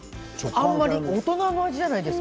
あんまり大人の味じゃないですか？